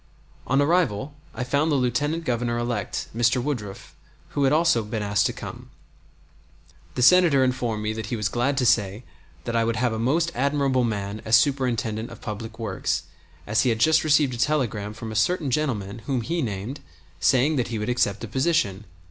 On arrival I found the Lieutenant Governor elect, Mr. Woodruff, who had also been asked to come. The Senator informed me that he was glad to say that I would have a most admirable man as Superintendent of Public Works, as he had just received a telegram from a certain gentleman, whom he named, saying that he would accept the position!